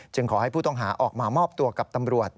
ขอให้ผู้ต้องหาออกมามอบตัวกับตำรวจ